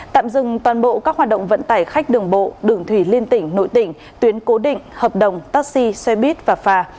tạm dừng toàn bộ các hoạt động vận tải khách đường bộ đường thủy liên tỉnh nội tỉnh tuyến cố định hợp đồng taxi xe buýt và phà